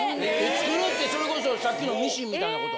・作るってそれこそさっきのミシンみたいなこと？